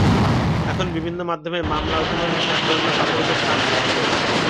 এখন বিভিন্ন মাধ্যমে মামলা ওঠানোর জন্য তাঁদের ওপর চাপ সৃষ্টি করছেন।